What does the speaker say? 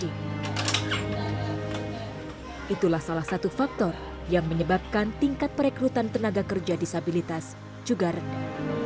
itulah salah satu faktor yang menyebabkan tingkat perekrutan tenaga kerja disabilitas juga rendah